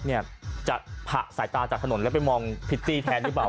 อเรนนี่มันจะผ่ะสายตาจากถนนแล้วไปมองพีทซี่แทนหรือเปล่า